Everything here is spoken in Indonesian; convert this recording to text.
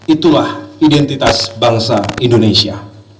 itulah identitas bangsa indonesia